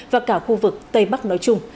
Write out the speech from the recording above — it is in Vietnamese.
và cả khu vực tây bắc nói chung